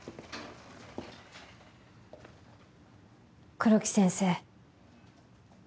黒木先生。